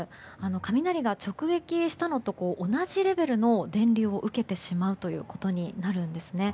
雷が直撃したのと同じレベルの電流を受けてしまうということになるんですね。